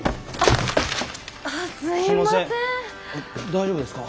大丈夫ですか？